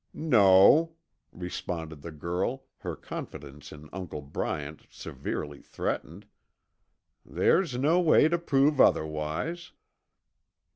"No," responded the girl, her confidence in Uncle Bryant severely threatened, "there's no way to prove otherwise."